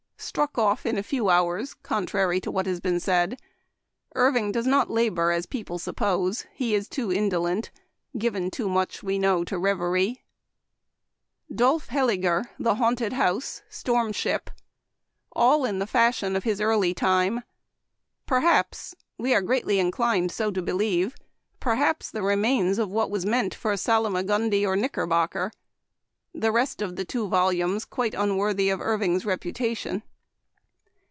— Struck off in a few hours, con trary to what has been said. Irving does not labor as people suppose ; he is too indolent ; given too much, we know, to reverie. " Dolph Heyliger, The Haunted House, Storm Ship. — All in the fashion of his early time. Perhaps — we are greatly inclined so to believe — perhaps the remains of what was meant for Salmagundi or Knickerbocker ; the rest of the two volumes quite unworthy of Irving's reputation.